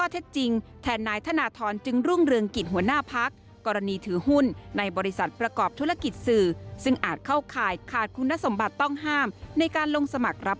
ติดตามจากรอยงานครับ